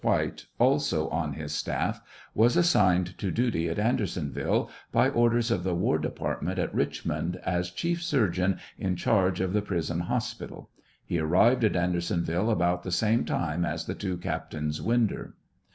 White, also on his staff, was assigned to duty at Andersonville, by orders of the war departmemt at Rich mond, as chief surgeon in charge of the prison hospital ; he arrived at Ander sonville about the same time as the two Captains Winder.